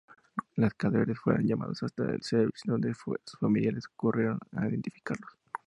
Los cadáveres fueron llevados hasta Sewell, donde sus familiares concurrieron a identificarlos.